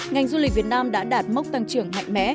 ngành du lịch việt nam đã đạt mốc tăng trưởng mạnh mẽ